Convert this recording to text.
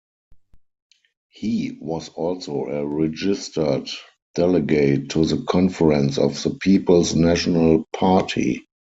He was also a registered delegate to the conference of the People's National Party.